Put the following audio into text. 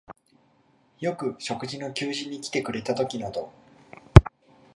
よく食事の給仕にきてくれたときなど、